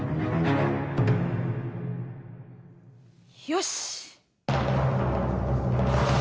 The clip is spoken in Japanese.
よし！